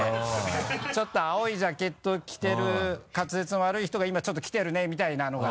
「ちょっと青いジャケット着てる滑舌の悪い人が今ちょっときてるね」みたいなのが。